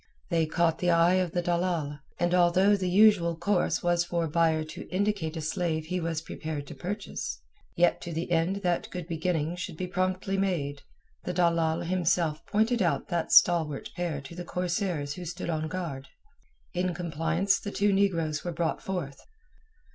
They caught the eye of the dalal, and although the usual course was for a buyer to indicate a slave he was prepared to purchase, yet to the end that good beginning should be promptly made, the dalal himself pointed out that stalwart pair to the corsairs who stood on guard. In compliance the two negroes were brought forth.